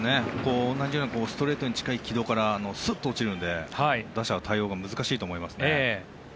同じようにストレートに近い軌道からスッと落ちるので打者は対応が難しいと思いますね。